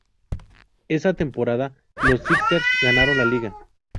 Esa temporada, los sixers ganaron la liga.